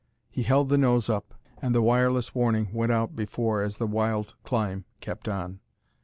He held the nose up, and the wireless warning went out before as the wild climb kept on.